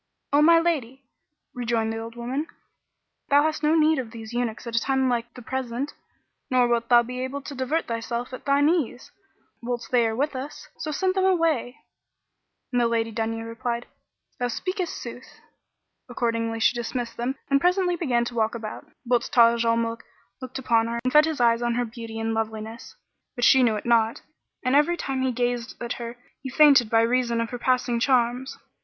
"O my lady, rejoined the old woman, "thou hast no need of these eunuchs at a time like the present; nor wilt thou be able to divert thyself at thine ease, whilst they are with us; so send them away;" and the Lady Dunya replied, "Thou speakest sooth" Accordingly she dismissed them and presently began to walk about, whilst Taj al Muluk looked upon her and fed his eyes on her beauty and loveliness (but she knew it not); and every time he gazed at her he fainted by reason of her passing charms.